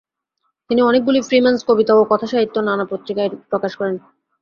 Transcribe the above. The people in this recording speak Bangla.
তিনি অনেকগুলি ফ্রিল্যান্স কবিতা ও কথাসাহিত্য নানা পত্রিকায় প্রকাশ করেন।